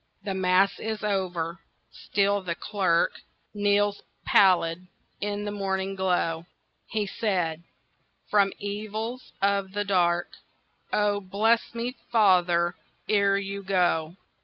The Mass is over—still the clerk Kneels pallid in the morning glow. He said, "From evils of the dark Oh, bless me, father, ere you go.